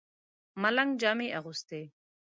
ملنګ جامې اغوستې.